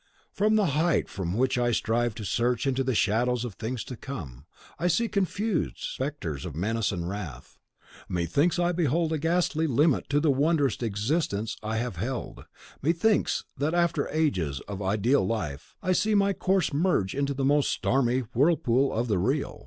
From the height from which I strive to search into the shadows of things to come, I see confused spectres of menace and wrath. Methinks I behold a ghastly limit to the wondrous existence I have held, methinks that, after ages of the Ideal Life, I see my course merge into the most stormy whirlpool of the Real.